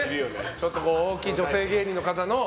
ちょっと大きい女性芸人の方の。